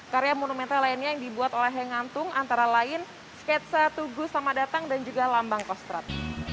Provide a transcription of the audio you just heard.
karya monumental lainnya yang dibuat oleh hengantung antara lain sketsa tugu sama datang dan juga lambang kostrat